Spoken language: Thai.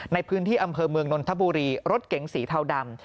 ในพื้นที่อำเภอเมืองนนทบุรีรถเก๋งสีเทาดำ